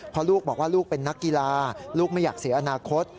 เพราะลูกบอกว่าลูกเป็นนักกีฬาลูกไม่อยากเสียอนาคต